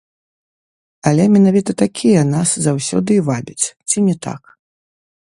Але менавіта такія нас заўсёды і вабяць, ці не так?